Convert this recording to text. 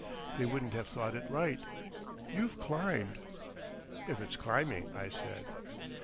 They wouldn't have thought it right. You've climbed." "If it's climbing," I said.